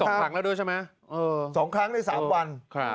ครั้งแล้วด้วยใช่ไหมสองครั้งใน๓วัน